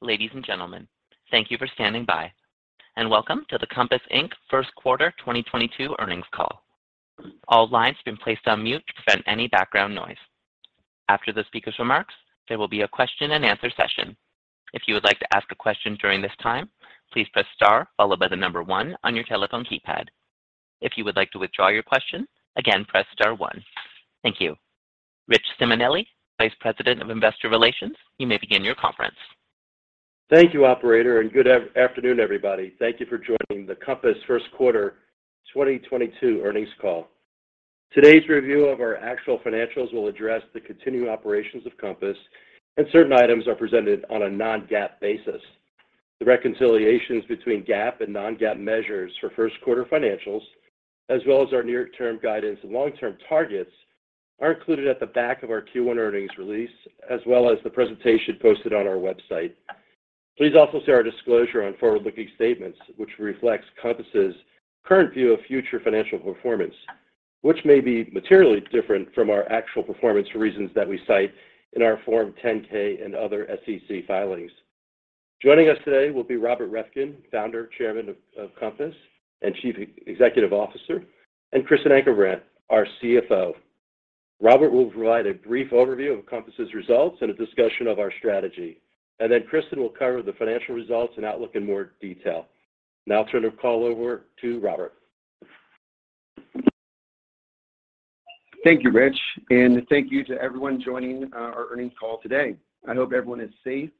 Ladies and gentlemen, thank you for standing by and welcome to the Compass, Inc. First Quarter 2022 earnings call. All lines have been placed on mute to prevent any background noise. After the speaker's remarks, there will be a question and answer session. If you would like to ask a question during this time, please press star followed by the number one on your telephone keypad. If you would like to withdraw your question, again, press star one. Thank you. Rich Simonelli, Vice President of Investor Relations, you may begin your conference. Thank you, operator, and good afternoon, everybody. Thank you for joining the Compass First Quarter 2022 earnings call. Today's review of our actual financials will address the continuing operations of Compass, and certain items are presented on a non-GAAP basis. The reconciliations between GAAP and non-GAAP measures for first quarter financials, as well as our near-term guidance and long-term targets, are included at the back of our Q1 earnings release, as well as the presentation posted on our website. Please also see our disclosure on forward-looking statements, which reflects Compass' current view of future financial performance, which may be materially different from our actual performance for reasons that we cite in our Form 10-K and other SEC filings. Joining us today will be Robert Reffkin, Founder, Chairman and Chief Executive Officer, Compass, and Kristen Ankerbrandt, our CFO. Robert will provide a brief overview of Compass' results and a discussion of our strategy, and then Kristen will cover the financial results and outlook in more detail. Now I'll turn the call over to Robert. Thank you, Rich, and thank you to everyone joining our earnings call today. I hope everyone is safe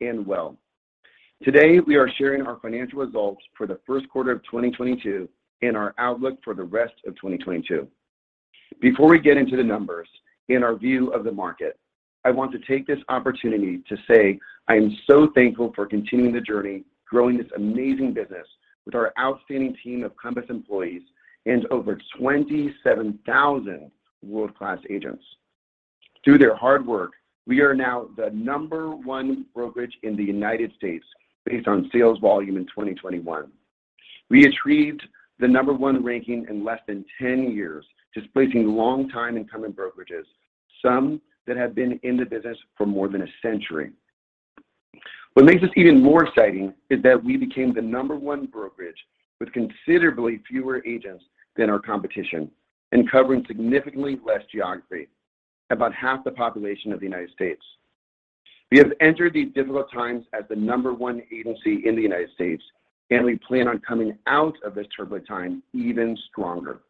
and well. Today, we are sharing our financial results for the first quarter of 2022 and our outlook for the rest of 2022. Before we get into the numbers and our view of the market, I want to take this opportunity to say I am so thankful for continuing the journey, growing this amazing business with our outstanding team of Compass employees and over 27,000 world-class agents. Through their hard work, we are now the number one brokerage in the United States based on sales volume in 2021. We achieved the number one ranking in less than 10 years, displacing long-time incumbent brokerages, some that have been in the business for more than a century. What makes us even more exciting is that we became the number one brokerage with considerably fewer agents than our competition and covering significantly less geography, about half the population of the United States. We have entered these difficult times as the number one agency in the United States, and we plan on coming out of this turbulent time even stronger.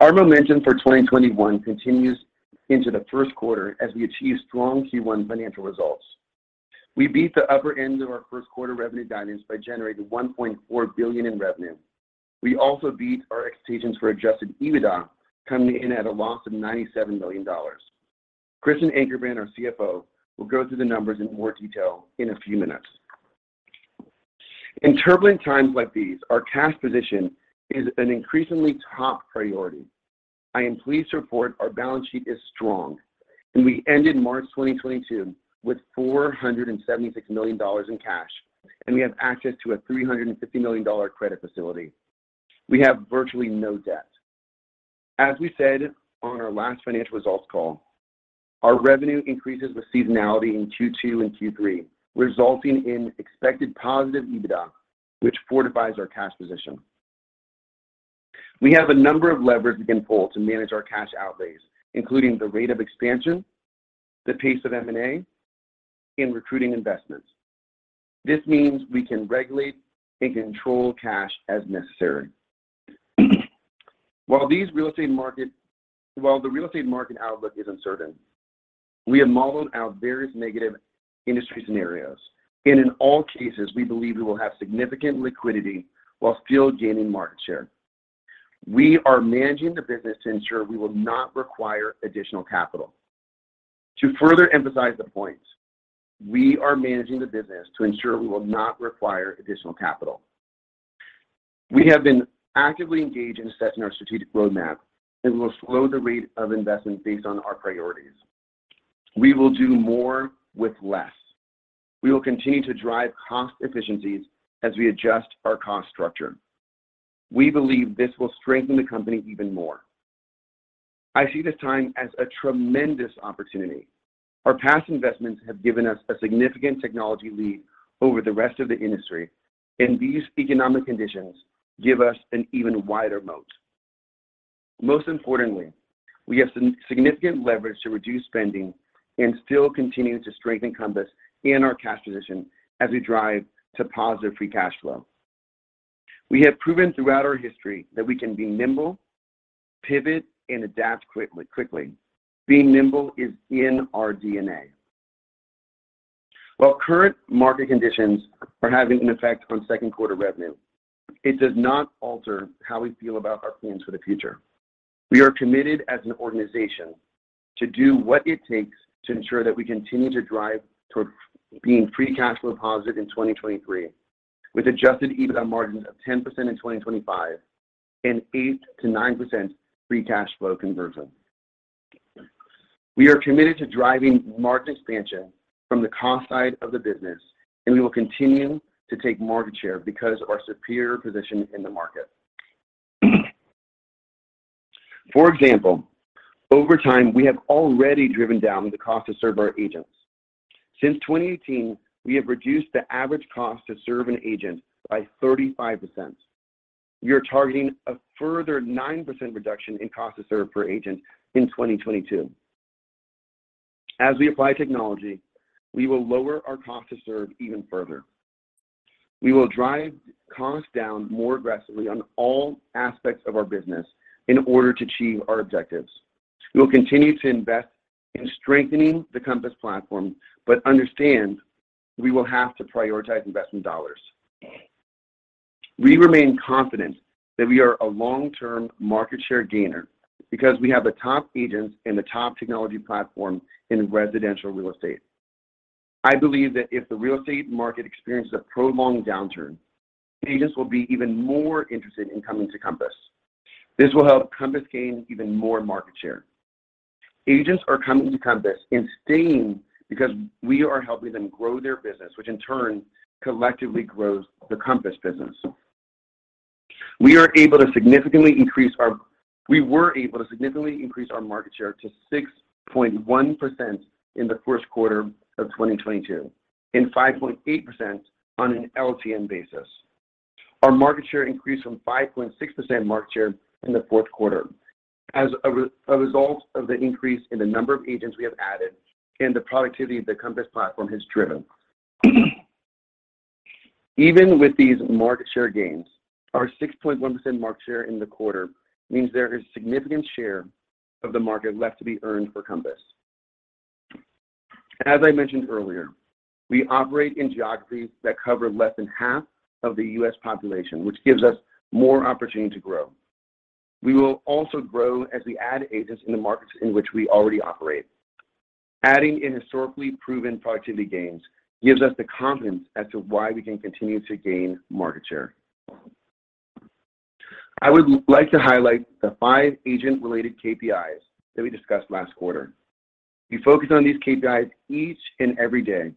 Our momentum for 2021 continues into the first quarter as we achieve strong Q1 financial results. We beat the upper end of our first quarter revenue guidance by generating $1.4 billion in revenue. We also beat our expectations for Adjusted EBITDA, coming in at a loss of $97 million. Kristen Ankerbrandt, our CFO, will go through the numbers in more detail in a few minutes. In turbulent times like these, our cash position is an increasingly top priority. I am pleased to report our balance sheet is strong, and we ended March 2022 with $476 million in cash, and we have access to a $350 million credit facility. We have virtually no debt. As we said on our last financial results call, our revenue increases with seasonality in Q2 and Q3, resulting in expected positive EBITDA, which fortifies our cash position. We have a number of levers we can pull to manage our cash outlays, including the rate of expansion, the pace of M&A, and recruiting investments. This means we can regulate and control cash as necessary. While the real estate market outlook is uncertain, we have modeled out various negative industry scenarios, and in all cases, we believe we will have significant liquidity while still gaining market share. We are managing the business to ensure we will not require additional capital. To further emphasize the point, we are managing the business to ensure we will not require additional capital. We have been actively engaged in assessing our strategic roadmap, and we'll slow the rate of investment based on our priorities. We will do more with less. We will continue to drive cost efficiencies as we adjust our cost structure. We believe this will strengthen the company even more. I see this time as a tremendous opportunity. Our past investments have given us a significant technology lead over the rest of the industry, and these economic conditions give us an even wider moat. Most importantly, we have significant leverage to reduce spending and still continue to strengthen Compass and our cash position as we drive to positive Free Cash Flow. We have proven throughout our history that we can be nimble, pivot, and adapt quickly. Being nimble is in our DNA. While current market conditions are having an effect on second quarter revenue, it does not alter how we feel about our plans for the future. We are committed as an organization to do what it takes to ensure that we continue to drive toward being Free Cash Flow positive in 2023, with Adjusted EBITDA margins of 10% in 2025 and 8%-9% Free Cash Flow conversion. We are committed to driving market expansion from the cost side of the business, and we will continue to take market share because of our superior position in the market. For example, over time, we have already driven down the cost to serve our agents. Since 2018, we have reduced the average cost to serve an agent by 35%. We are targeting a further 9% reduction in cost to serve per agent in 2022. As we apply technology, we will lower our cost to serve even further. We will drive costs down more aggressively on all aspects of our business in order to achieve our objectives. We will continue to invest in strengthening the Compass platform, but understand we will have to prioritize investment dollars. We remain confident that we are a long-term market share gainer because we have the top agents and the top technology platform in residential real estate. I believe that if the real estate market experiences a prolonged downturn, agents will be even more interested in coming to Compass. This will help Compass gain even more market share. Agents are coming to Compass and staying because we are helping them grow their business, which in turn collectively grows the Compass business. We were able to significantly increase our market share to 6.1% in the first quarter of 2022 and 5.8% on an LTM basis. Our market share increased from 5.6% market share in the fourth quarter as a result of the increase in the number of agents we have added and the productivity the Compass platform has driven. Even with these market share gains, our 6.1% market share in the quarter means there is significant share of the market left to be earned for Compass. As I mentioned earlier, we operate in geographies that cover less than half of the U.S. population, which gives us more opportunity to grow. We will also grow as we add agents in the markets in which we already operate. Adding in historically proven productivity gains gives us the confidence as to why we can continue to gain market share. I would like to highlight the five agent-related KPIs that we discussed last quarter. We focus on these KPIs each and every day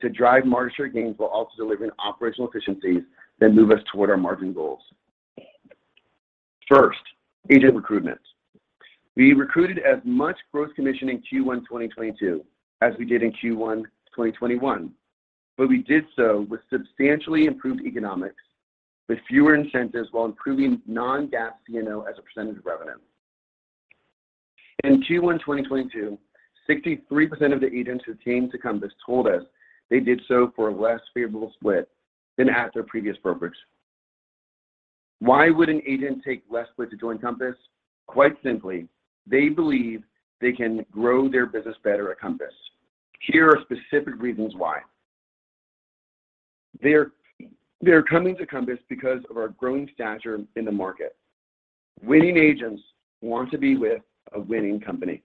to drive market share gains while also delivering operational efficiencies that move us toward our margin goals. First, agent recruitment. We recruited as much gross commission in Q1 2022 as we did in Q1 2021, but we did so with substantially improved economics, with fewer incentives while improving non-GAAP C&O as a percentage of revenue. In Q1 2022, 63% of the agents who came to Compass told us they did so for a less favorable split than at their previous brokerage. Why would an agent take less split to join Compass? Quite simply, they believe they can grow their business better at Compass. Here are specific reasons why. They are coming to Compass because of our growing stature in the market. Winning agents want to be with a winning company.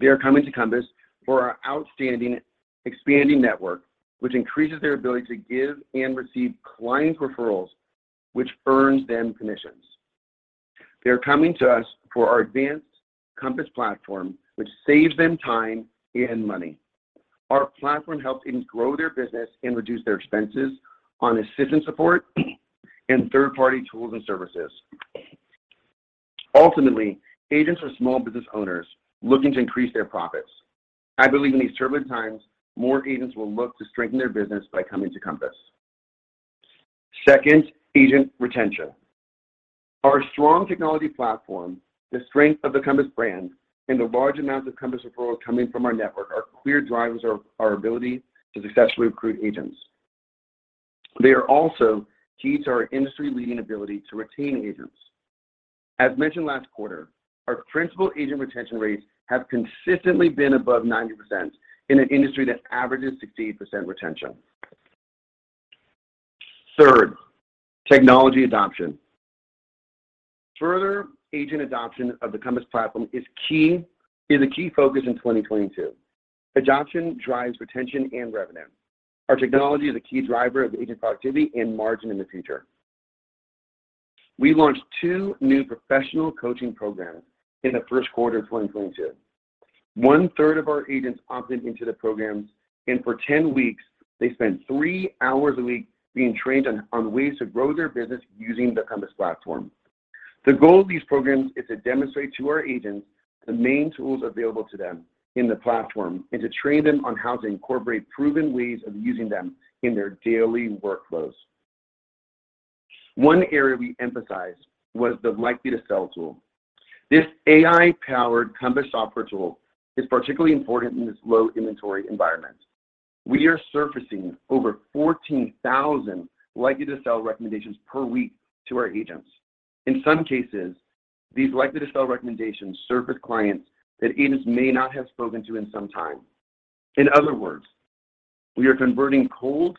They are coming to Compass for our outstanding expanding network, which increases their ability to give and receive client referrals, which earns them commissions. They are coming to us for our advanced Compass platform, which saves them time and money. Our platform helps them grow their business and reduce their expenses on assistant support and third-party tools and services. Ultimately, agents are small business owners looking to increase their profits. I believe in these turbulent times, more agents will look to strengthen their business by coming to Compass. Second, agent retention. Our strong technology platform, the strength of the Compass brand, and the large amounts of Compass referrals coming from our network are clear drivers of our ability to successfully recruit agents. They are also keys to our industry-leading ability to retain agents. As mentioned last quarter, our principal agent retention rates have consistently been above 90% in an industry that averages 60% retention. Third, technology adoption. Further agent adoption of the Compass platform is a key focus in 2022. Adoption drives retention and revenue. Our technology is a key driver of agent productivity and margin in the future. We launched two new professional coaching programs in the first quarter of 2022. One-third of our agents opted into the programs, and for 10 weeks, they spent three hours a week being trained on ways to grow their business using the Compass platform. The goal of these programs is to demonstrate to our agents the main tools available to them in the platform and to train them on how to incorporate proven ways of using them in their daily workflows. One area we emphasized was the Likely to Sell tool. This AI-powered Compass software tool is particularly important in this low inventory environment. We are surfacing over 14,000 Likely to Sell recommendations per week to our agents. In some cases, these Likely to Sell recommendations surface clients that agents may not have spoken to in some time. In other words, we are converting cold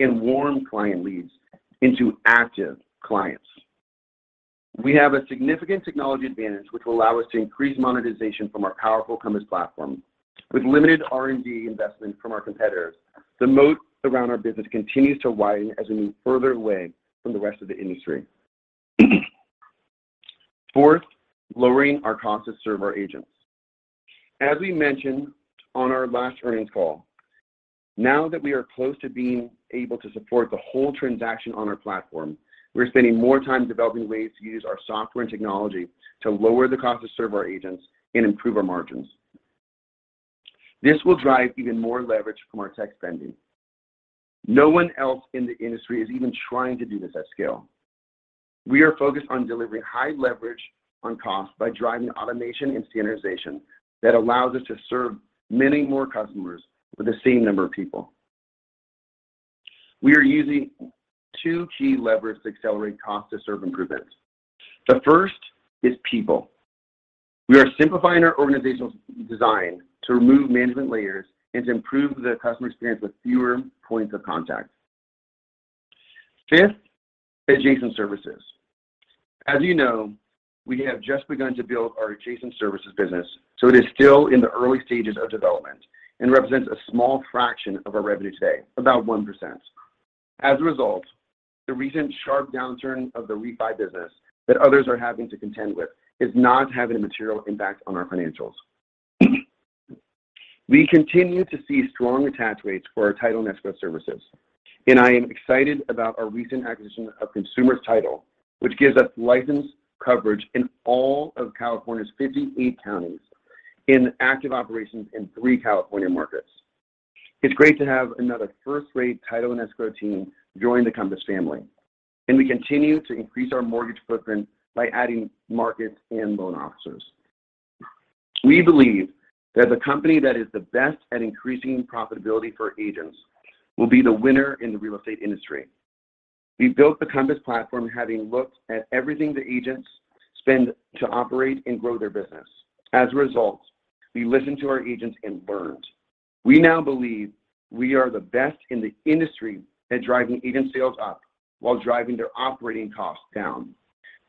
and warm client leads into active clients. We have a significant technology advantage which will allow us to increase monetization from our powerful Compass platform. With limited R&D investment from our competitors, the moat around our business continues to widen as we move further away from the rest of the industry. Fourth, lowering our cost to serve our agents. As we mentioned on our last earnings call, now that we are close to being able to support the whole transaction on our platform, we're spending more time developing ways to use our software and technology to lower the cost to serve our agents and improve our margins. This will drive even more leverage from our tech spending. No one else in the industry is even trying to do this at scale. We are focused on delivering high leverage on cost by driving automation and standardization that allows us to serve many more customers with the same number of people. We are using two key levers to accelerate cost to serve improvements. The first is people. We are simplifying our organizational design to remove management layers and to improve the customer experience with fewer points of contact. Fifth, adjacent services. As you know, we have just begun to build our adjacent services business, so it is still in the early stages of development and represents a small fraction of our revenue today, about 1%. As a result, the recent sharp downturn of the refi business that others are having to contend with is not having a material impact on our financials. We continue to see strong attach rates for our title and escrow services, and I am excited about our recent acquisition of Consumer's Title, which gives us licensed coverage in all of California's 58 counties in active operations in three California markets. It's great to have another first-rate title and escrow team join the Compass family, and we continue to increase our mortgage footprint by adding markets and loan officers. We believe that the company that is the best at increasing profitability for agents will be the winner in the real estate industry. We built the Compass platform having looked at everything the agents spend to operate and grow their business. As a result, we listened to our agents and learned. We now believe we are the best in the industry at driving agent sales up while driving their operating costs down.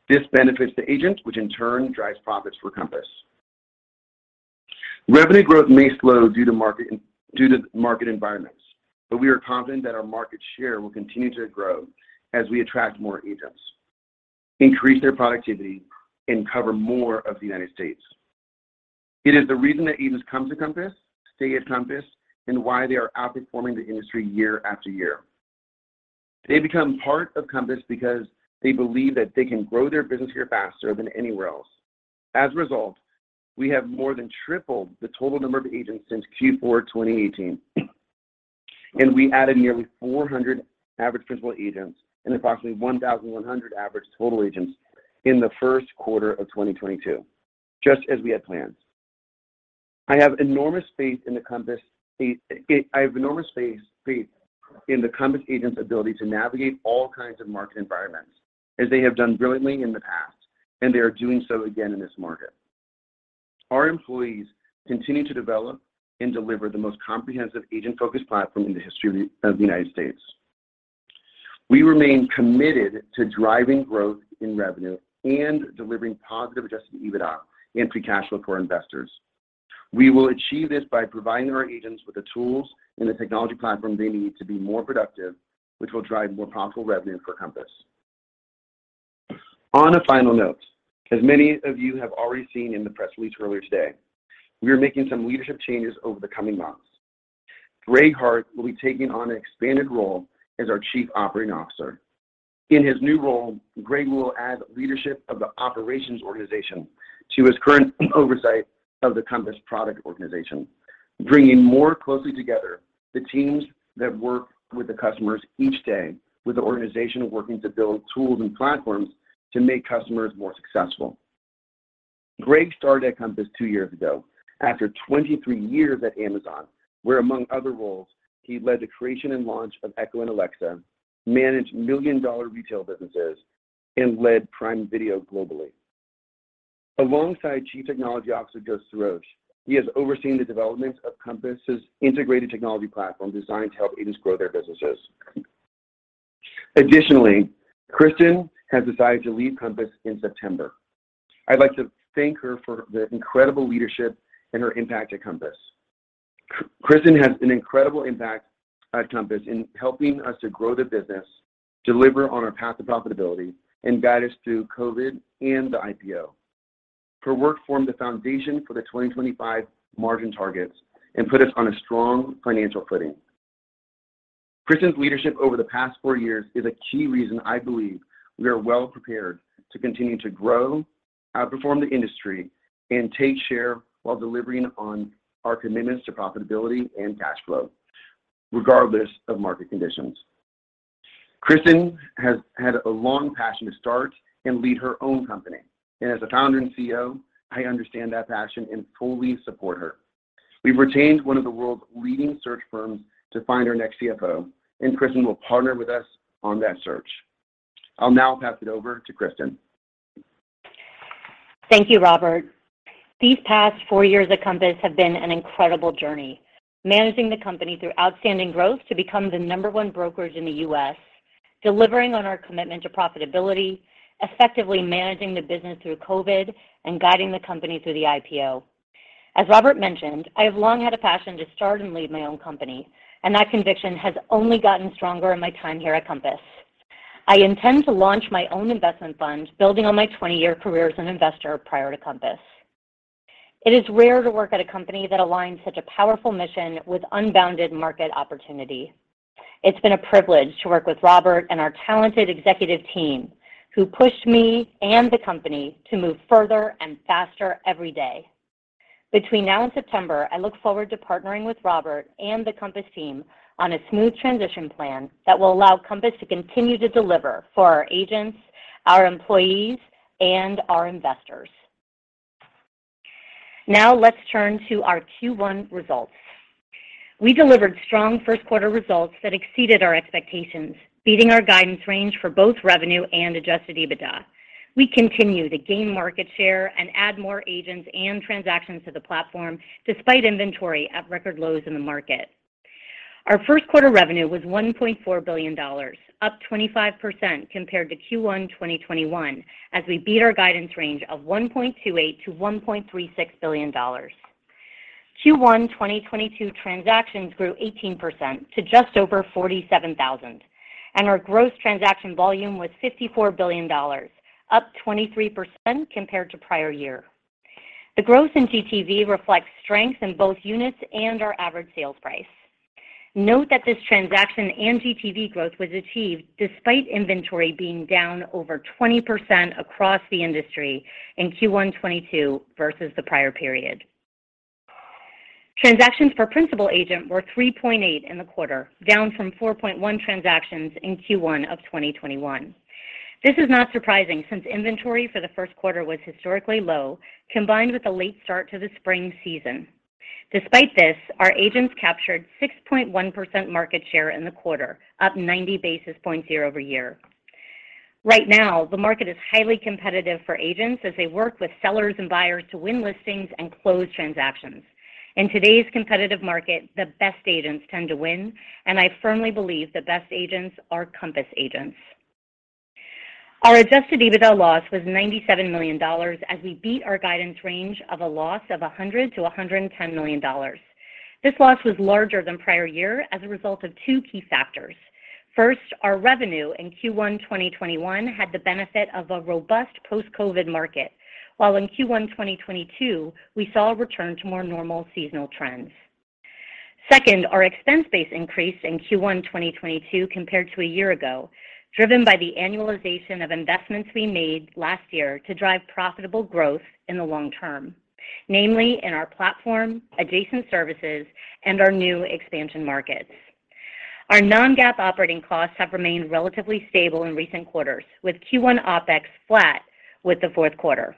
This benefits the agents, which in turn drives profits for Compass. Revenue growth may slow due to market environments, but we are confident that our market share will continue to grow as we attract more agents, increase their productivity, and cover more of the United States. It is the reason that agents come to Compass, stay at Compass, and why they are outperforming the industry year after year. They become part of Compass because they believe that they can grow their business here faster than anywhere else. As a result, we have more than tripled the total number of agents since Q4 2018, and we added nearly 400 average principal agents and approximately 1,100 average total agents in the first quarter of 2022, just as we had planned. I have enormous faith in the Compass agent's ability to navigate all kinds of market environments as they have done brilliantly in the past, and they are doing so again in this market. Our employees continue to develop and deliver the most comprehensive agent-focused platform in the history of the United States. We remain committed to driving growth in revenue and delivering positive Adjusted EBITDA and Free Cash Flow to our investors. We will achieve this by providing our agents with the tools and the technology platform they need to be more productive, which will drive more profitable revenue for Compass. On a final note, as many of you have already seen in the press release earlier today, we are making some leadership changes over the coming months. Greg Hart will be taking on an expanded role as our Chief Operating Officer. In his new role, Greg will add leadership of the operations organization to his current oversight of the Compass product organization, bringing more closely together the teams that work with the customers each day with the organization working to build tools and platforms to make customers more successful. Greg started at Compass two years ago after 23 years at Amazon, where among other roles, he led the creation and launch of Echo and Alexa, managed million-dollar retail businesses, and led Prime Video globally. Alongside Chief Technology Officer Joseph Sirosh, he has overseen the development of Compass's integrated technology platform designed to help agents grow their businesses. Additionally, Kristen has decided to leave Compass in September. I'd like to thank her for the incredible leadership and her impact at Compass. Kristen has an incredible impact at Compass in helping us to grow the business, deliver on our path to profitability, and guide us through COVID and the IPO. Her work formed the foundation for the 2025 margin targets and put us on a strong financial footing. Kristen's leadership over the past four years is a key reason I believe we are well-prepared to continue to grow, outperform the industry, and take share while delivering on our commitments to profitability and cash flow, regardless of market conditions. Kristen has had a long passion to start and lead her own company, and as a Founder and CEO, I understand that passion and fully support her. We've retained one of the world's leading search firms to find our next CFO, and Kristen will partner with us on that search. I'll now pass it over to Kristen. Thank you, Robert. These past four years at Compass have been an incredible journey. Managing the company through outstanding growth to become the number one brokerage in the U.S., delivering on our commitment to profitability, effectively managing the business through COVID, and guiding the company through the IPO. As Robert mentioned, I have long had a passion to start and lead my own company, and that conviction has only gotten stronger in my time here at Compass. I intend to launch my own investment fund, building on my 20-year career as an investor prior to Compass. It is rare to work at a company that aligns such a powerful mission with unbounded market opportunity. It's been a privilege to work with Robert and our talented executive team who pushed me and the company to move further and faster every day. Between now and September, I look forward to partnering with Robert and the Compass team on a smooth transition plan that will allow Compass to continue to deliver for our agents, our employees, and our investors. Now let's turn to our Q1 results. We delivered strong first quarter results that exceeded our expectations, beating our guidance range for both revenue and Adjusted EBITDA. We continue to gain market share and add more agents and transactions to the platform despite inventory at record lows in the market. Our first quarter revenue was $1.4 billion, up 25% compared to Q1 2021, as we beat our guidance range of $1.28 billion-$1.36 billion. Q1 2022 transactions grew 18% to just over 47,000, and our gross transaction volume was $54 billion, up 23% compared to prior year. The growth in GTV reflects strength in both units and our average sales price. Note that this transaction and GTV growth was achieved despite inventory being down over 20% across the industry in Q1 2022 versus the prior period. Transactions for principal agent were 3.8 in the quarter, down from 4.1 transactions in Q1 of 2021. This is not surprising since inventory for the first quarter was historically low, combined with a late start to the spring season. Despite this, our agents captured 6.1% market share in the quarter, up 90 basis points year-over-year. Right now, the market is highly competitive for agents as they work with sellers and buyers to win listings and close transactions. In today's competitive market, the best agents tend to win, and I firmly believe the best agents are Compass agents. Our Adjusted EBITDA loss was $97 million as we beat our guidance range of a loss of $100 million-$110 million. This loss was larger than prior year as a result of two key factors. First, our revenue in Q1 2021 had the benefit of a robust post-COVID market, while in Q1 2022, we saw a return to more normal seasonal trends. Second, our expense base increased in Q1 2022 compared to a year ago, driven by the annualization of investments we made last year to drive profitable growth in the long term, namely in our platform, adjacent services, and our new expansion markets. Our non-GAAP operating costs have remained relatively stable in recent quarters, with Q1 OpEx flat with the fourth quarter.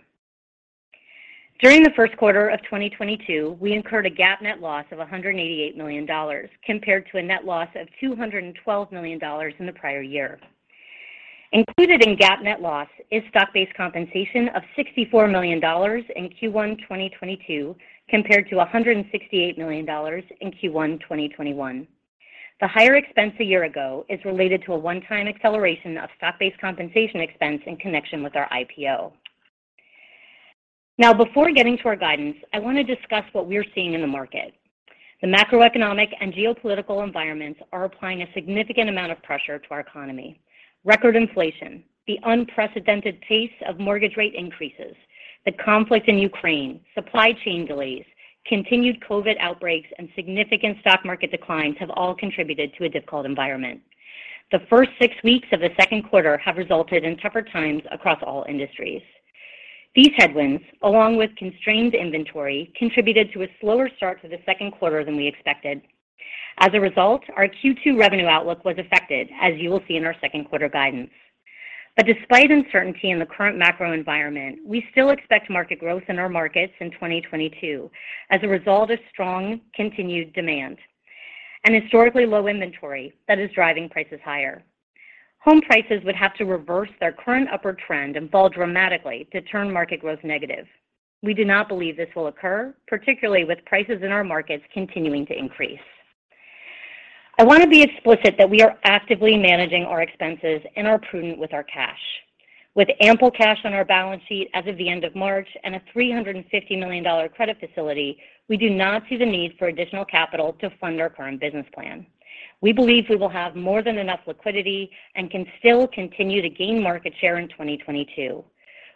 During the first quarter of 2022, we incurred a GAAP net loss of $188 million compared to a net loss of $212 million in the prior year. Included in GAAP net loss is stock-based compensation of $64 million in Q1 2022 compared to $168 million in Q1 2021. The higher expense a year ago is related to a one-time acceleration of stock-based compensation expense in connection with our IPO. Now, before getting to our guidance, I want to discuss what we're seeing in the market. The macroeconomic and geopolitical environments are applying a significant amount of pressure to our economy. Record inflation, the unprecedented pace of mortgage rate increases, the conflict in Ukraine, supply chain delays, continued COVID outbreaks, and significant stock market declines have all contributed to a difficult environment. The first six weeks of the second quarter have resulted in tougher times across all industries. These headwinds, along with constrained inventory, contributed to a slower start to the second quarter than we expected. As a result, our Q2 revenue outlook was affected, as you will see in our second quarter guidance. Despite uncertainty in the current macro environment, we still expect market growth in our markets in 2022 as a result of strong continued demand and historically low inventory that is driving prices higher. Home prices would have to reverse their current upward trend and fall dramatically to turn market growth negative. We do not believe this will occur, particularly with prices in our markets continuing to increase. I want to be explicit that we are actively managing our expenses and are prudent with our cash. With ample cash on our balance sheet as of the end of March and a $350 million credit facility, we do not see the need for additional capital to fund our current business plan. We believe we will have more than enough liquidity and can still continue to gain market share in 2022.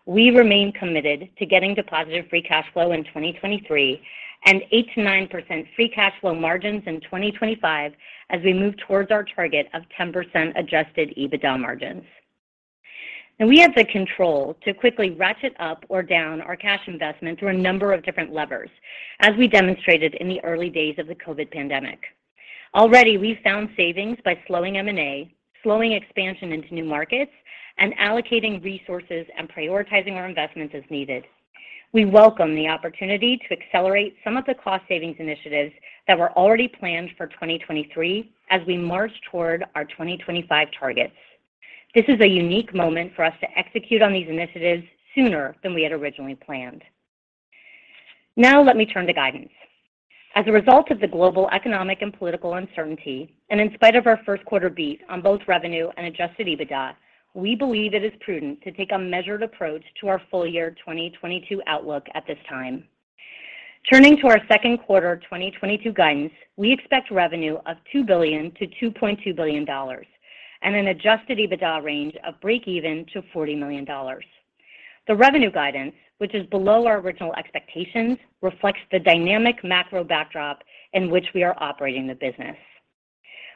We remain committed to getting to positive Free Cash Flow in 2023 and 8%-9% Free Cash Flow margins in 2025 as we move towards our target of 10% Adjusted EBITDA margins. Now we have the control to quickly ratchet up or down our cash investment through a number of different levers, as we demonstrated in the early days of the COVID pandemic. Already, we've found savings by slowing M&A, slowing expansion into new markets, and allocating resources and prioritizing our investments as needed. We welcome the opportunity to accelerate some of the cost savings initiatives that were already planned for 2023 as we march toward our 2025 targets. This is a unique moment for us to execute on these initiatives sooner than we had originally planned. Now let me turn to guidance. As a result of the global economic and political uncertainty, and in spite of our first quarter beat on both revenue and Adjusted EBITDA, we believe it is prudent to take a measured approach to our full year 2022 outlook at this time. Turning to our second quarter 2022 guidance, we expect revenue of $2 billion-$2.2 billion and an Adjusted EBITDA range of breakeven to $40 million. The revenue guidance, which is below our original expectations, reflects the dynamic macro backdrop in which we are operating the business.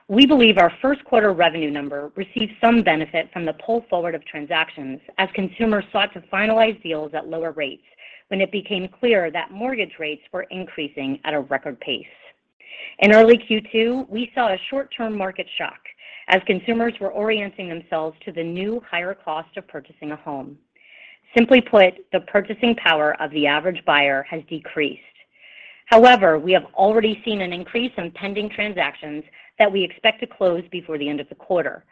We believe our first quarter revenue number received some benefit from the pull forward of transactions as consumers sought to finalize deals at lower rates when it became clear that mortgage rates were increasing at a record pace. In early Q2, we saw a short-term market shock as consumers were orienting themselves to the new higher cost of purchasing a home. Simply put, the purchasing power of the average buyer has decreased. However, we have already seen an increase in pending transactions that we expect to close before the end of the quarter,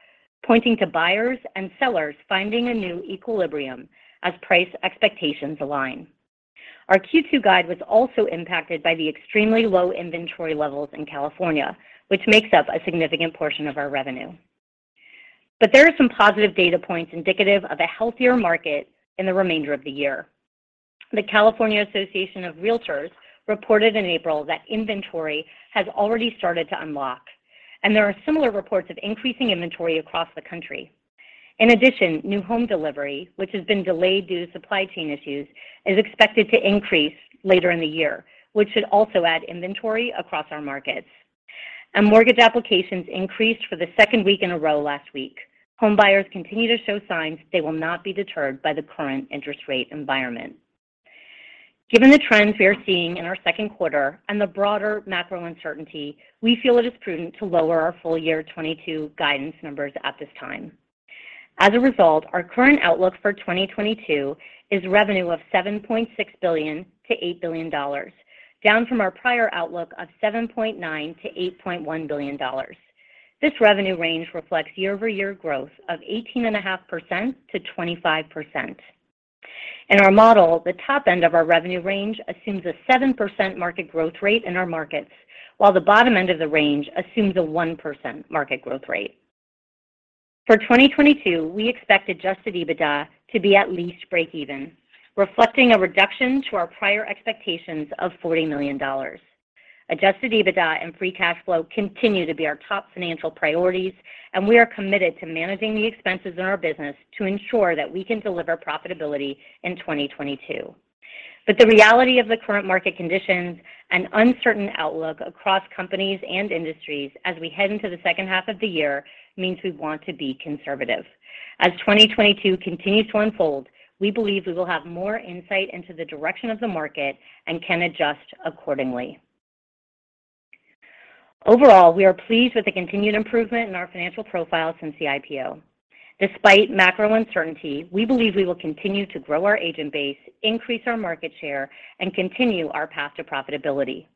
pointing to buyers and sellers finding a new equilibrium as price expectations align. Our Q2 guide was also impacted by the extremely low inventory levels in California, which makes up a significant portion of our revenue. There are some positive data points indicative of a healthier market in the remainder of the year. The California Association of REALTORS reported in April that inventory has already started to unlock, and there are similar reports of increasing inventory across the country. In addition, new home delivery, which has been delayed due to supply chain issues, is expected to increase later in the year, which should also add inventory across our markets. Mortgage applications increased for the second week in a row last week. Home buyers continue to show signs they will not be deterred by the current interest rate environment. Given the trends we are seeing in our second quarter and the broader macro uncertainty, we feel it is prudent to lower our full year 2022 guidance numbers at this time. As a result, our current outlook for 2022 is revenue of $7.6 billion-$8 billion, down from our prior outlook of $7.9 billion-$8.1 billion. This revenue range reflects year-over-year growth of 18.5%-25%. In our model, the top end of our revenue range assumes a 7% market growth rate in our markets, while the bottom end of the range assumes a 1% market growth rate. For 2022, we expect Adjusted EBITDA to be at least breakeven, reflecting a reduction to our prior expectations of $40 million. Adjusted EBITDA and Free Cash Flow continue to be our top financial priorities, and we are committed to managing the expenses in our business to ensure that we can deliver profitability in 2022. The reality of the current market conditions and uncertain outlook across companies and industries as we head into the second half of the year means we want to be conservative. As 2022 continues to unfold, we believe we will have more insight into the direction of the market and can adjust accordingly. Overall, we are pleased with the continued improvement in our financial profile since the IPO. Despite macro uncertainty, we believe we will continue to grow our agent base, increase our market share, and continue our path to profitability.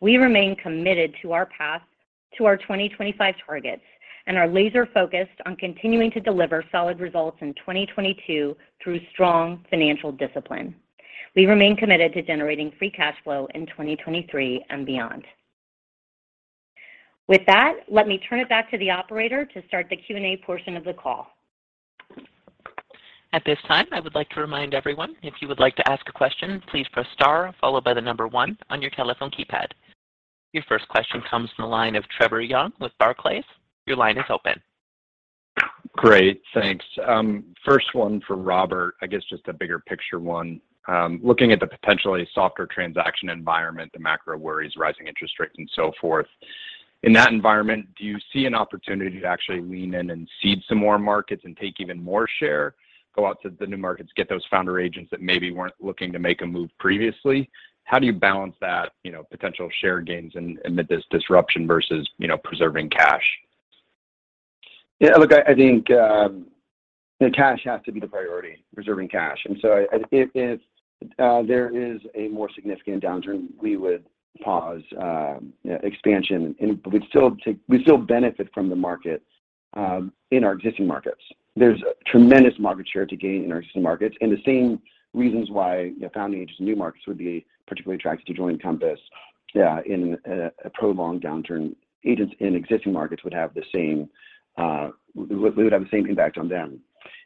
We remain committed to our path to our 2025 targets and are laser-focused on continuing to deliver solid results in 2022 through strong financial discipline. We remain committed to generating Free Cash Flow in 2023 and beyond. With that, let me turn it back to the operator to start the Q&A portion of the call. At this time, I would like to remind everyone, if you would like to ask a question, please press star followed by the number one on your telephone keypad. Your first question comes from the line of Trevor Young with Barclays. Your line is open. Great. Thanks. First one for Robert, I guess just a bigger picture one. Looking at the potentially softer transaction environment, the macro worries, rising interest rates and so forth, in that environment, do you see an opportunity to actually lean in and seed some more markets and take even more share, go out to the new markets, get those founder agents that maybe weren't looking to make a move previously? How do you balance that, you know, potential share gains and this disruption versus, you know, preserving cash? Yeah, look, I think, you know, cash has to be the priority, preserving cash. If there is a more significant downturn, we would pause, you know, expansion. We still benefit from the market in our existing markets. There's tremendous market share to gain in our existing markets, and the same reasons why, you know, founding agents in new markets would be particularly attracted to joining Compass in a prolonged downturn, agents in existing markets would have the same. We would have the same impact on them.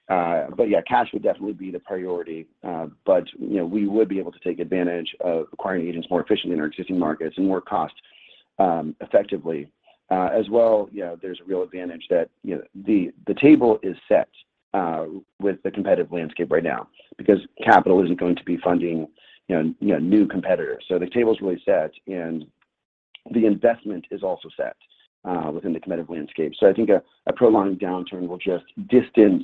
Yeah, cash would definitely be the priority. You know, we would be able to take advantage of acquiring agents more efficiently in our existing markets and more cost effectively. As well, you know, there's real advantage that, you know, the table is set with the competitive landscape right now because capital isn't going to be funding, you know, new competitors. The table's really set, and the investment is also set within the competitive landscape. I think a prolonged downturn will just distance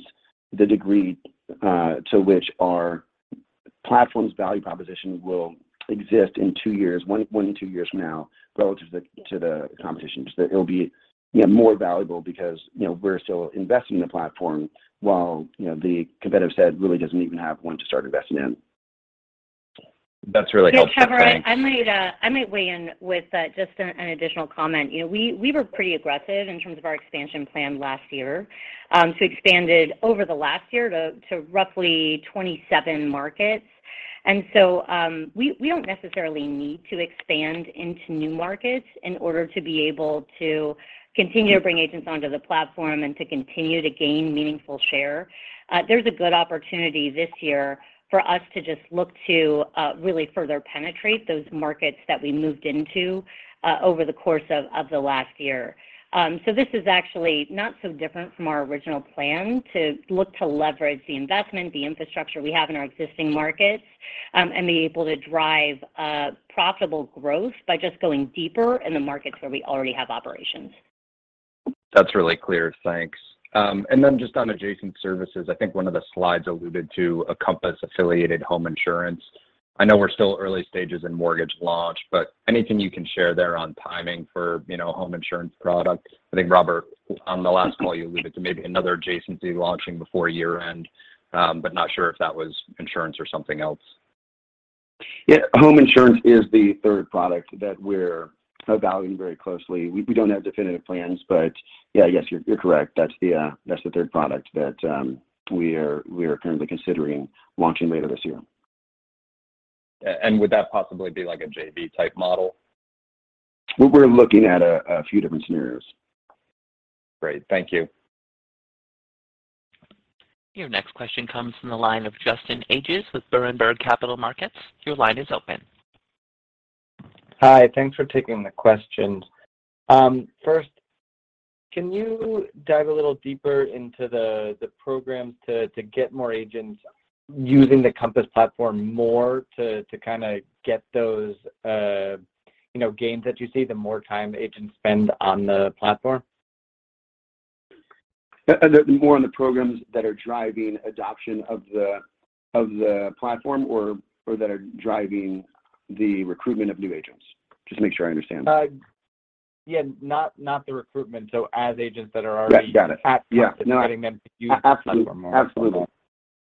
the degree to which our platform's value proposition will exist in two years, one to two years from now relative to the competition. It'll be, you know, more valuable because, you know, we're still investing in the platform while, you know, the competitive set really doesn't even have one to start investing in. That's really helpful. Thanks. Hey, Trevor, I might weigh in with just an additional comment. You know, we were pretty aggressive in terms of our expansion plan last year. We expanded over the last year to roughly 27 markets. We don't necessarily need to expand into new markets in order to be able to continue to bring agents onto the platform and to continue to gain meaningful share. There's a good opportunity this year for us to just look to really further penetrate those markets that we moved into over the course of the last year. This is actually not so different from our original plan to look to leverage the investment, the infrastructure we have in our existing markets, and be able to drive profitable growth by just going deeper in the markets where we already have operations. That's really clear. Thanks. Just on adjacent services, I think one of the slides alluded to a Compass-affiliated home insurance. I know we're still early stages in mortgage launch, but anything you can share there on timing for, you know, home insurance products? I think Robert, on the last call, you alluded to maybe another adjacency launching before year-end, but not sure if that was insurance or something else. Yeah. Home insurance is the third product that we're evaluating very closely. We don't have definitive plans, but yeah. Yes, you're correct. That's the third product that we are currently considering launching later this year. Would that possibly be like a JV-type model? We're looking at a few different scenarios. Great. Thank you. Your next question comes from the line of Justin Ages with Berenberg Capital Markets. Your line is open. Hi. Thanks for taking the questions. First, can you dive a little deeper into the programs to get more agents using the Compass platform more to kinda get those, you know, gains that you see the more time agents spend on the platform? More on the programs that are driving adoption of the platform or that are driving the recruitment of new agents? Just to make sure I understand. Yeah. Not the recruitment. As agents that are already- Yes. Got it. at Compass and getting them to use the platform more. Absolutely.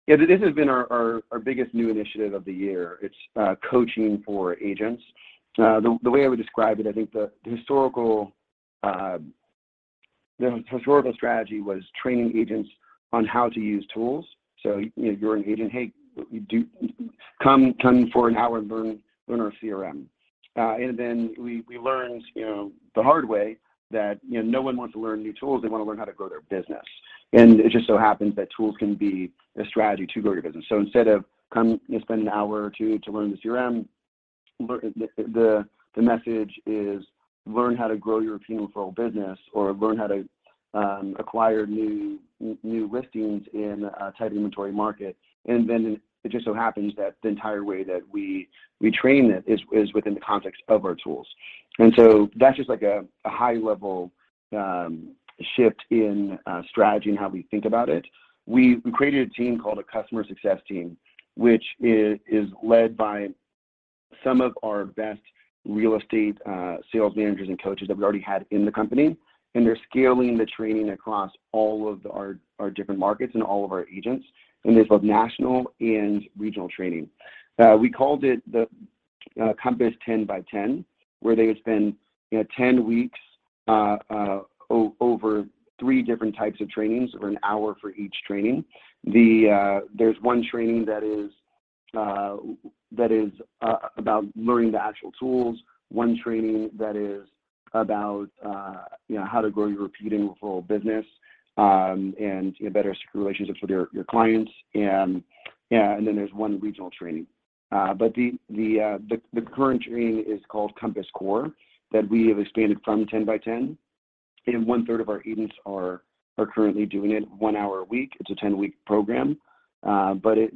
Yeah. This has been our biggest new initiative of the year. It's coaching for agents. The way I would describe it, I think the historical strategy was training agents on how to use tools. You know, you're an agent, "Hey, come for an hour and learn our CRM." Then we learned the hard way that no one wants to learn new tools. They wanna learn how to grow their business. It just so happens that tools can be a strategy to grow your business. Instead of come and spend an hour or two to learn the CRM, the message is learn how to grow your repeatable business or learn how to acquire new listings in a tight inventory market. Then it just so happens that the entire way that we train it is within the context of our tools. That's just like a high-level shift in strategy and how we think about it. We created a team called a customer success team, which is led by some of our best real estate sales managers and coaches that we already had in the company, and they're scaling the training across all of our different markets and all of our agents. There's both national and regional training. We called it the Compass 10x10, where they would spend, you know, 10 weeks over three different types of trainings of an hour for each training. There's one training that is about learning the actual tools, one training that is about you know how to grow your repeatable business and better relationships with your clients. There's one regional training. The current training is called Compass CORE that we have expanded from 10x10, and 1/3 of our agents are currently doing it one hour a week. It's a 10-week program.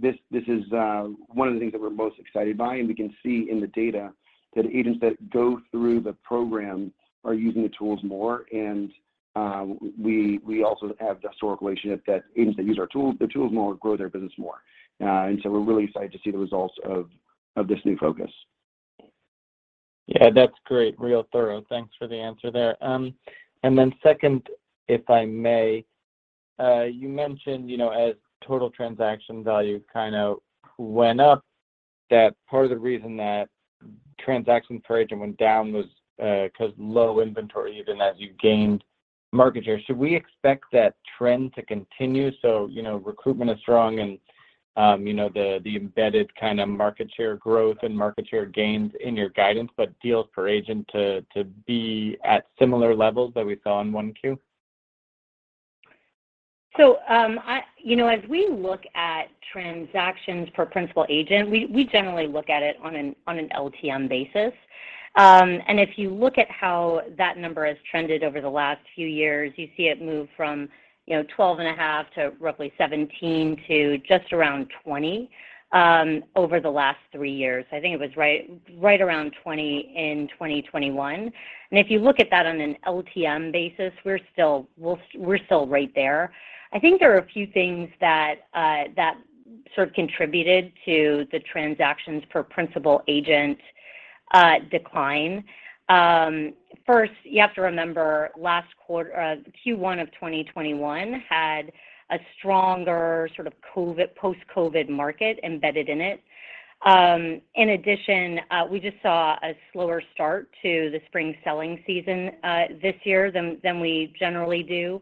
This is one of the things that we're most excited by, and we can see in the data that agents that go through the program are using the tools more. We also have the historical relationship that agents that use the tools more grow their business more. We're really excited to see the results of this new focus. Yeah. That's great. Really thorough. Thanks for the answer there. Second, if I may, you mentioned, you know, as total transaction value kind of went up, that part of the reason that transactions per agent went down was, 'cause low inventory even as you gained market share. Should we expect that trend to continue? You know, recruitment is strong and, you know, the embedded kind of market share growth and market share gains in your guidance, but deals per agent to be at similar levels that we saw in Q1. You know, as we look at transactions per principal agent, we generally look at it on an LTM basis. If you look at how that number has trended over the last few years, you see it move from, you know, 12.5 to roughly 17 to just around 20 over the last three years. I think it was right around 20 in 2021. If you look at that on an LTM basis, we're still right there. I think there are a few things that sort of contributed to the transactions per principal agent decline. First, you have to remember last quarter, Q1 of 2021 had a stronger sort of post-COVID market embedded in it. In addition, we just saw a slower start to the spring selling season this year than we generally do,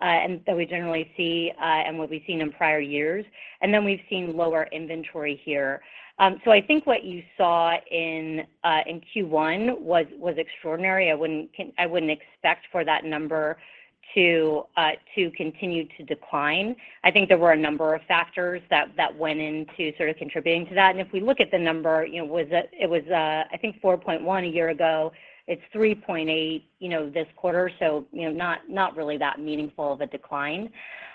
and that we generally see, and what we've seen in prior years. We've seen lower inventory here. I think what you saw in Q1 was extraordinary. I wouldn't expect for that number to continue to decline. I think there were a number of factors that went into sort of contributing to that. If we look at the number, you know, what it was, I think 4.1 a year ago. It's 3.8%, you know, this quarter, so, you know, not really that meaningful of a decline.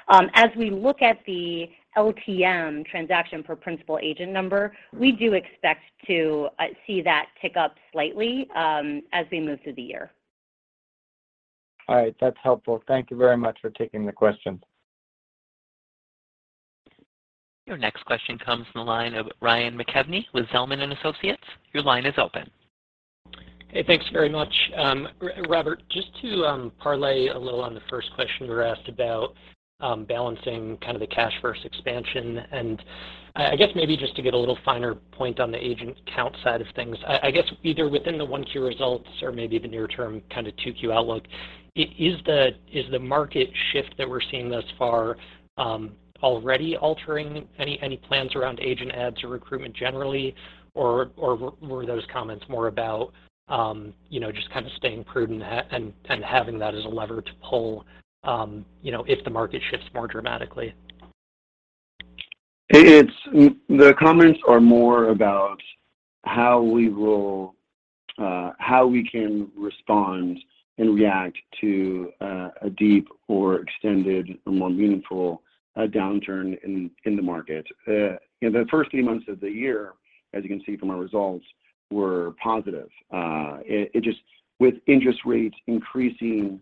As we look at the LTM transaction per principal agent number, we do expect to see that tick up slightly, as we move through the year. All right. That's helpful. Thank you very much for taking the question. Your next question comes from the line of Ryan McKeveny with Zelman & Associates. Your line is open. Hey, thanks very much. Robert, just to parlay a little on the first question you were asked about, balancing kind of the cash versus expansion, and I guess maybe just to get a little finer point on the agent count side of things. I guess either within the Q1 results or maybe the near term kind of Q2 outlook, is the market shift that we're seeing thus far already altering any plans around agent adds or recruitment generally, or were those comments more about you know just kind of staying prudent and having that as a lever to pull you know if the market shifts more dramatically? The comments are more about how we will, how we can respond and react to, a deep or extended or more meaningful, downturn in the market. The first three months of the year, as you can see from our results, were positive. With interest rates increasing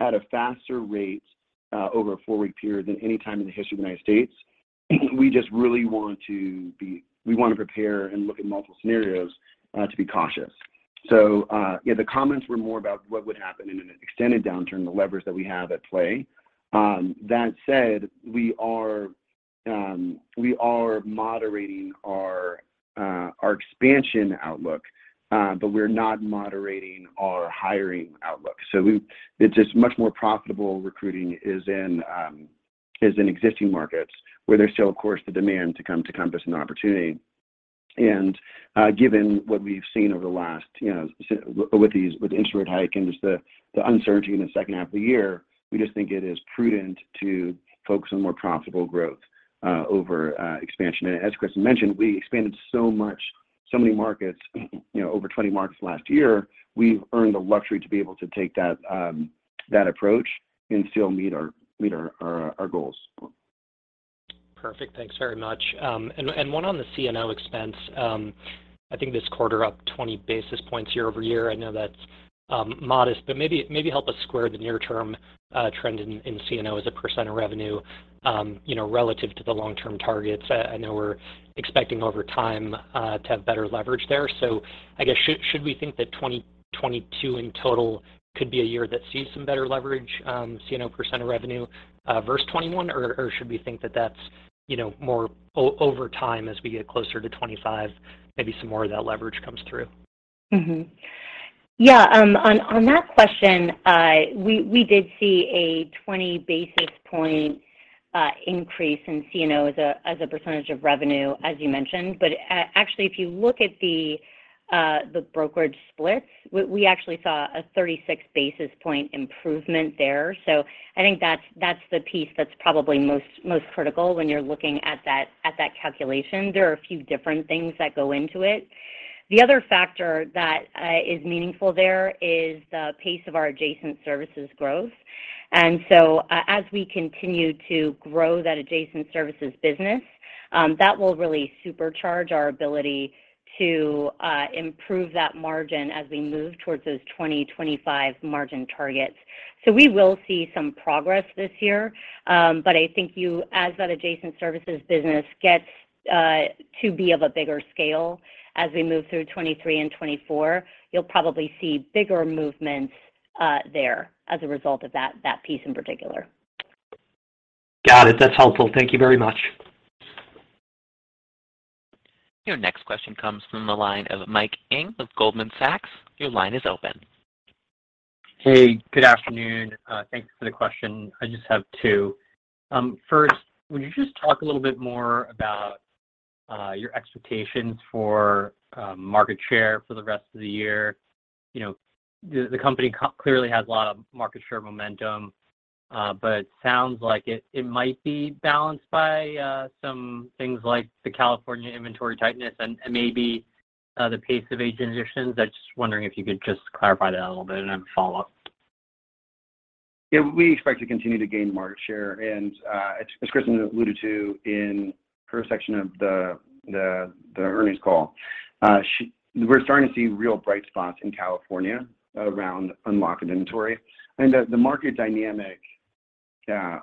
at a faster rate, over a four-week period than any time in the history of the United States, we just really wanna prepare and look at multiple scenarios, to be cautious. Yeah, the comments were more about what would happen in an extended downturn, the levers that we have at play. That said, we are moderating our expansion outlook, but we're not moderating our hiring outlook. It's just much more profitable recruiting is in existing markets where there's still, of course, the demand to come to Compass and the opportunity. Given what we've seen over the last, you know, with these, with the interest rate hike and just the uncertainty in the second half of the year, we just think it is prudent to focus on more profitable growth over expansion. As Kristen mentioned, we expanded so much, so many markets, you know, over 20 markets last year. We've earned the luxury to be able to take that approach and still meet our goals. Perfect. Thanks very much. And one on the C&O expense. I think this quarter up 20 basis points year-over-year. I know that's modest, but maybe help us square the near-term trend in C&O as a percentage of revenue, you know, relative to the long-term targets. I know we're expecting over time to have better leverage there. I guess should we think that 2022 in total could be a year that sees some better leverage, C&O percentage of revenue, versus 2021, or should we think that that's, you know, more over time as we get closer to 2025, maybe some more of that leverage comes through? On that question, we did see a 20 basis point increase in C&O as a percentage of revenue, as you mentioned. Actually, if you look at the brokerage splits, we actually saw a 36 basis point improvement there. I think that's the piece that's probably most critical when you're looking at that calculation. There are a few different things that go into it. The other factor that is meaningful there is the pace of our adjacent services growth. As we continue to grow that adjacent services business, that will really supercharge our ability to improve that margin as we move towards those 2025 margin targets. We will see some progress this year, but I think you as that adjacent services business gets to be of a bigger scale as we move through 2023 and 2024, you'll probably see bigger movements there as a result of that piece in particular. Got it. That's helpful. Thank you very much. Your next question comes from the line of Michael Ng with Goldman Sachs. Your line is open. Hey, good afternoon. Thanks for the question. I just have two. First, would you just talk a little bit more about your expectations for market share for the rest of the year? You know, the company clearly has a lot of market share momentum, but it sounds like it might be balanced by some things like the California inventory tightness and maybe the pace of agent additions. I'm just wondering if you could just clarify that a little bit. I have a follow-up. Yeah. We expect to continue to gain market share. As Kristen alluded to in her section of the earnings call, we're starting to see real bright spots in California around unlocked inventory. The market dynamic,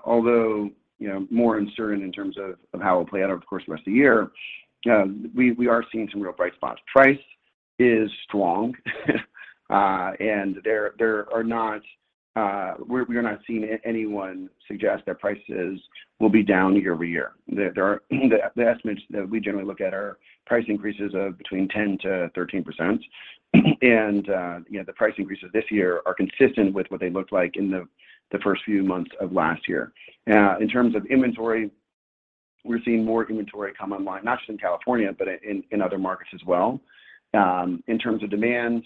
although you know more uncertain in terms of how it will play out over the course of the rest of the year, we are seeing some real bright spots. Prices are strong. We're not seeing anyone suggest that prices will be down year-over-year. The estimates that we generally look at are price increases of between 10%-13%. You know, the price increases this year are consistent with what they looked like in the first few months of last year. In terms of inventory, we're seeing more inventory come online, not just in California, but in other markets as well. In terms of demand,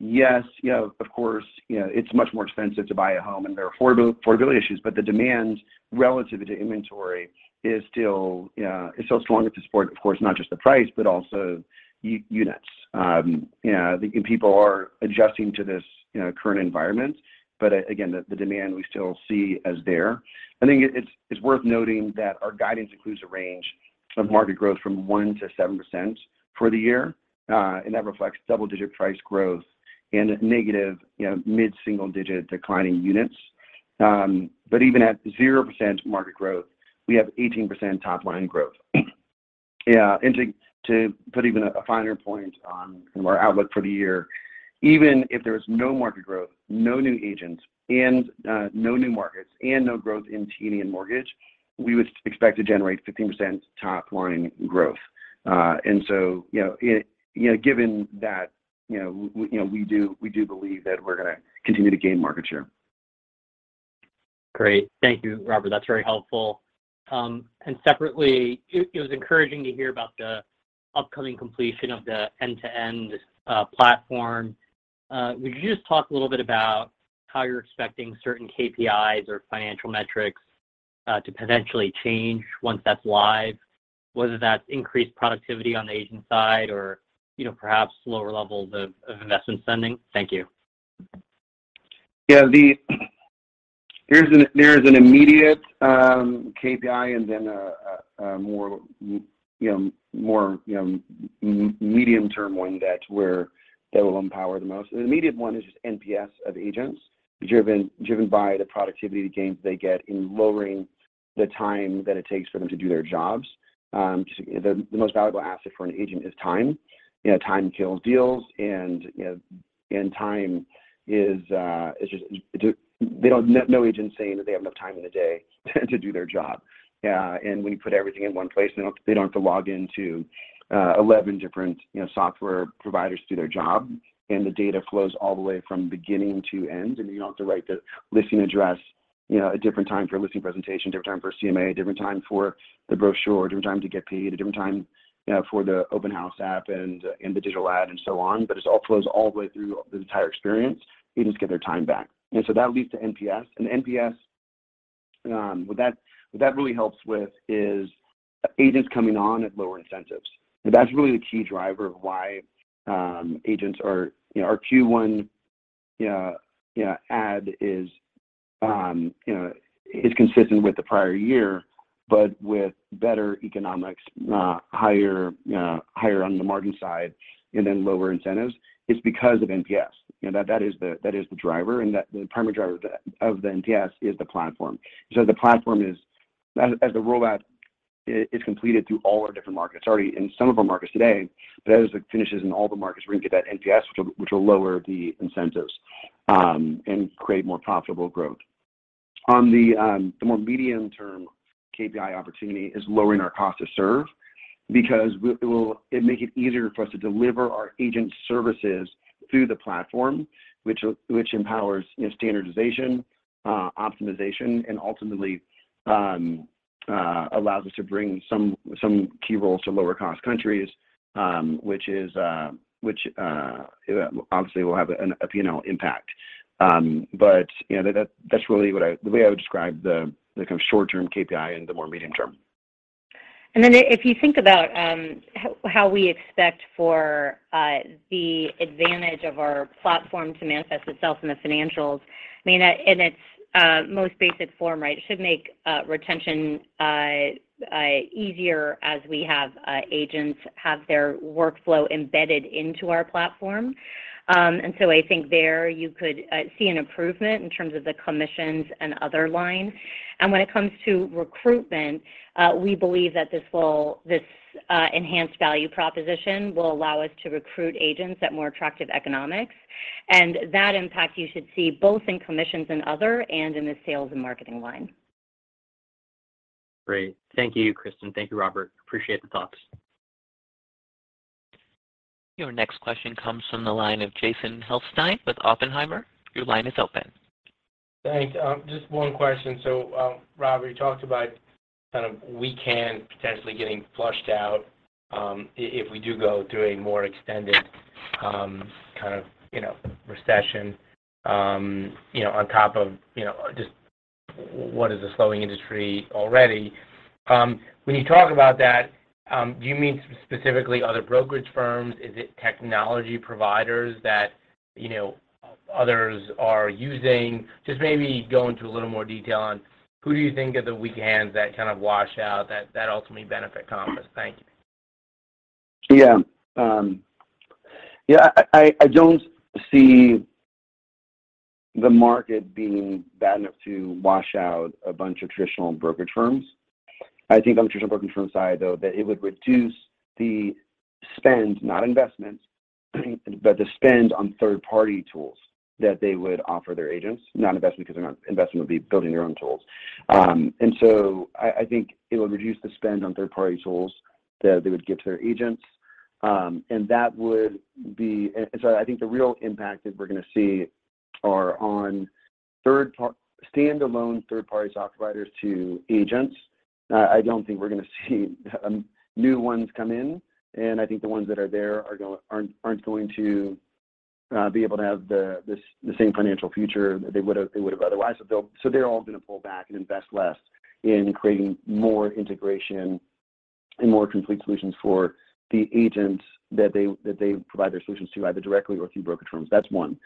yes, you know, of course, you know, it's much more expensive to buy a home, and there are affordability issues, but the demand relative to inventory is still strong enough to support, of course, not just the price, but also units. You know, and people are adjusting to this, you know, current environment. Again, the demand we still see as there. I think it's worth noting that our guidance includes a range of market growth from 1%-7% for the year, and that reflects double-digit price growth and negative, you know, mid-single digit declining units. Even at 0% market growth, we have 18% top line growth. To put even a finer point on kind of our outlook for the year, even if there was no market growth, no new agents, and no new markets, and no growth in T&E and mortgage, we would expect to generate 15% top line growth. You know, given that, you know, we do believe that we're gonna continue to gain market share. Great. Thank you, Robert. That's very helpful. Separately, it was encouraging to hear about the upcoming completion of the end-to-end platform. Would you just talk a little bit about how you're expecting certain KPIs or financial metrics to potentially change once that's live, whether that's increased productivity on the agent side or, you know, perhaps lower levels of investment spending? Thank you. Yeah. There's an immediate KPI, and then a more, you know, medium-term one that's where that will empower the most. The immediate one is just NPS of agents driven by the productivity gains they get in lowering the time that it takes for them to do their jobs. Just the most valuable asset for an agent is time. You know, time kills deals, and, you know, time is just. No agent's saying that they have enough time in the day to do their job. We put everything in one place. They don't have to log into 11 different, you know, software providers to do their job. The data flows all the way from beginning to end. I mean, you don't have to write the listing address, you know, a different time for a listing presentation, a different time for a CMA, a different time for the brochure, a different time to get paid, a different time for the open house app and the digital ad and so on, but this all flows all the way through the entire experience. Agents get their time back. That leads to NPS. NPS, what that really helps with is agents coming on at lower incentives. That's really the key driver of why agents are. You know, our Q1 add is, you know, consistent with the prior year, but with better economics, higher on the margin side and then lower incentives. It's because of NPS. You know, that is the driver, the primary driver of the NPS is the platform. The platform is as the rollout is completed through all our different markets, it's already in some of our markets today, but as it finishes in all the markets, we're gonna get that NPS which will lower the incentives and create more profitable growth. The more medium-term KPI opportunity is lowering our cost to serve because it will make it easier for us to deliver our agent services through the platform, which empowers, you know, standardization, optimization, and ultimately allows us to bring some key roles to lower cost countries, which obviously will have an impact. you know, that's really the way I would describe the kind of short-term KPI and the more medium term. If you think about how we expect the advantage of our platform to manifest itself in the financials, I mean in its most basic form, right, it should make retention easier as agents have their workflow embedded into our platform. I think there you could see an improvement in terms of the commissions and other lines. When it comes to recruitment, we believe that this enhanced value proposition will allow us to recruit agents at more attractive economics. That impact you should see both in commissions and other and in the sales and marketing line. Great. Thank you, Kristen. Thank you, Robert. Appreciate the thoughts. Your next question comes from the line of Jason Helfstein with Oppenheimer. Your line is open. Thanks. Just one question. Robert, you talked about kind of weak hands potentially getting flushed out, if we do go through a more extended kind of, you know, recession, you know, on top of, you know, just what is a slowing industry already. When you talk about that, do you mean specifically other brokerage firms? Is it technology providers that, you know, others are using? Just maybe go into a little more detail on who do you think are the weak hands that kind of wash out that ultimately benefit Compass. Thank you. Yeah. Yeah. I don't see the market being bad enough to wash out a bunch of traditional brokerage firms. I think on the traditional brokerage firm side, though, that it would reduce the spend, not investment, but the spend on third-party tools that they would offer their agents. Not investment, 'cause they're not. Investment would be building their own tools. I think it would reduce the spend on third-party tools that they would give to their agents. I think the real impact that we're gonna see are on standalone third-party software providers to agents. I don't think we're gonna see new ones come in, and I think the ones that are there aren't going to be able to have the same financial future they would have otherwise. They're all gonna pull back and invest less in creating more integration and more complete solutions for the agents that they provide their solutions to, either directly or through brokerage firms. That's one.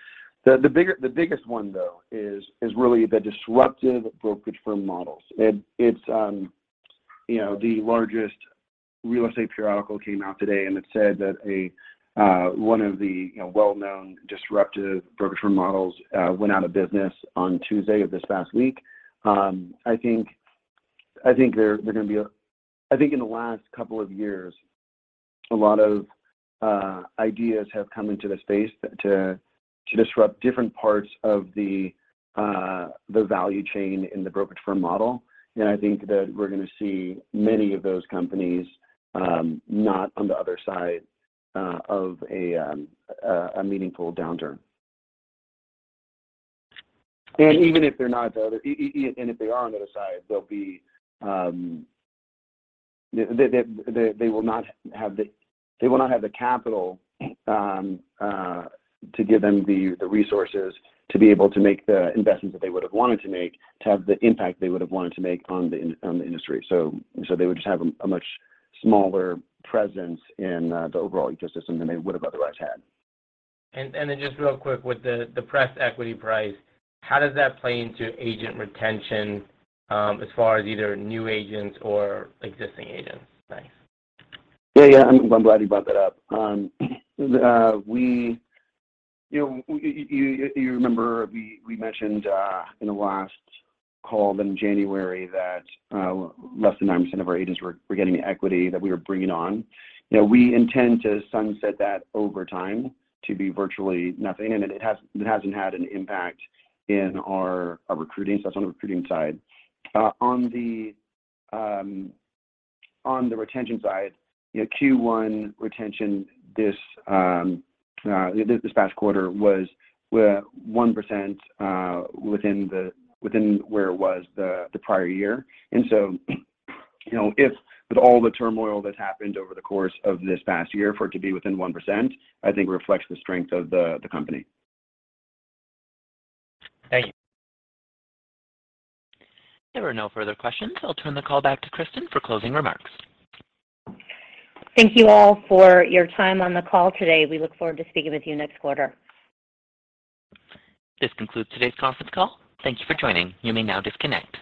The biggest one, though, is really the disruptive brokerage firm models. You know, the largest real estate periodical came out today, and it said that one of the, you know, well-known disruptive brokerage firm models went out of business on Tuesday of this past week. I think there are gonna be a I think in the last couple of years, a lot of ideas have come into the space to disrupt different parts of the value chain in the brokerage firm model, and I think that we're gonna see many of those companies not on the other side of a meaningful downturn. If they are on the other side, they will not have the capital to give them the resources to be able to make the investments that they would've wanted to make to have the impact they would've wanted to make on the industry. They would just have a much smaller presence in the overall ecosystem than they would've otherwise had. Just real quick, with the pre-IPO equity price, how does that play into agent retention, as far as either new agents or existing agents? Thanks. Yeah, yeah. I'm glad you brought that up. You know, you remember we mentioned in the last call in January that less than 9% of our agents were getting equity that we were bringing on. You know, we intend to sunset that over time to be virtually nothing, and it hasn't had an impact in our recruiting. That's on the recruiting side. On the retention side, you know, Q1 retention this past quarter was 1%, within where it was the prior year. You know, even with all the turmoil that's happened over the course of this past year, for it to be within 1%, I think reflects the strength of the company. Thank you. There are no further questions. I'll turn the call back to Kristen for closing remarks. Thank you all for your time on the call today. We look forward to speaking with you next quarter. This concludes today's conference call. Thank you for joining. You may now disconnect.